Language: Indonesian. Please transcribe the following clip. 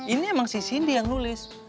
ini emang si cindy yang nulis